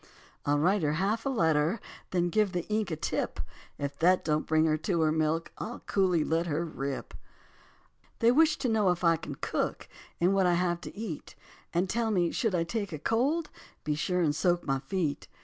I'll write her half a letter, Then give the ink a tip. If that don't bring her to her milk I'll coolly let her rip. They wish to know if I can cook And what I have to eat, And tell me should I take a cold Be sure and soak my feet.